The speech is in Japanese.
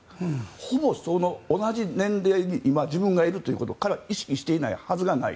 ほぼ同じ年齢に今、自分がいることを彼は意識していないはずがない。